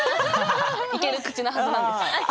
いける口のはずなんです。